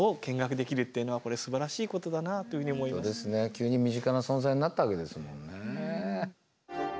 急に身近な存在になったわけですもんね。